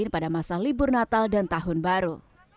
pada masa libur natal dan tahun baru